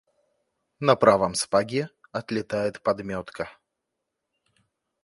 На правом сапоге отлетает подметка.